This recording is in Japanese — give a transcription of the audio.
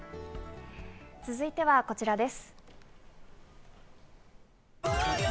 続いてはこちらです。